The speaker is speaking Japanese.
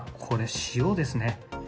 これ、塩ですね。